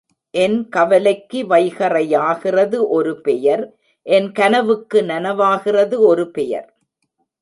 என் கவலைக்கு வைகறையாகிறது ஒருபெயர் என் கனவுக்கு நனவாகிறது ஒருபெயர்.